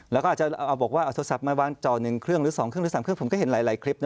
แล้วก็อาจจะเอาบอกว่าเอาโทรศัพท์มาวางจอ๑เครื่องหรือ๒เครื่องหรือ๓เครื่องผมก็เห็นหลายคลิปนะ